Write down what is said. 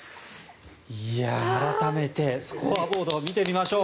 改めてスコアボードを見てみましょう。